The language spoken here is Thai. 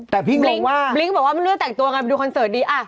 แต่พี่งงว่าบลิ้งก์บอกว่ามันเรื่องแต่งตัวไงดูคอนเสิร์ตดีอ่ะ